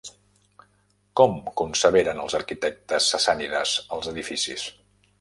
Com conceberen els arquitectes sassànides els edificis?